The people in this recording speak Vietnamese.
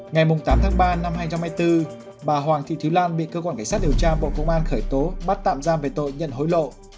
ngày tám tháng ba năm hai nghìn hai mươi bốn bà hoàng thị thúy lan bị cơ quan cảnh sát điều tra bộ công an khởi tố bắt tạm giam về tội nhận hối lộ